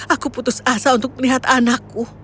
aku putus asa untuk melihat anakku